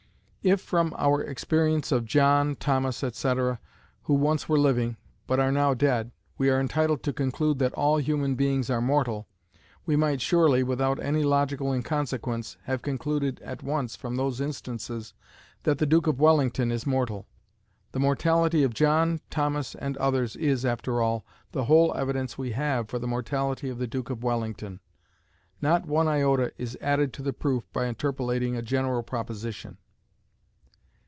"If from our experience of John, Thomas, &c., who once were living, but are now dead, we are entitled to conclude that all human beings are mortal, we might surely, without any logical inconsequence, have concluded at once from those instances, that the Duke of Wellington is mortal. The mortality of John, Thomas, and others is, after all, the whole evidence we have for the mortality of the Duke of Wellington. Not one iota is added to the proof by interpolating a general proposition."